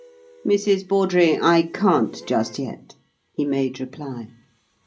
"Mrs. Bawdrey, I can't just yet," he made reply.